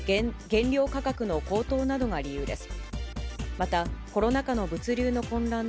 原料価格の高騰などが理由です。